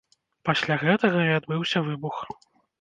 Пасля гэтага і адбыўся выбух.